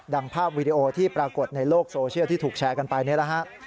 ภาพวีดีโอที่ปรากฏในโลกโซเชียลที่ถูกแชร์กันไปนี่แหละฮะ